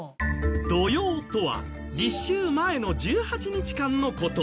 土用とは立秋前の１８日間の事。